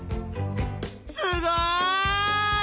すごい！